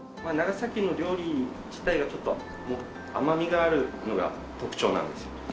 長崎の料理自体がちょっと甘みがあるのが特徴なんですよ。